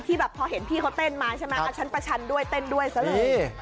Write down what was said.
แบบพอเห็นพี่เขาเต้นมาใช่ไหมฉันประชันด้วยเต้นด้วยซะเลย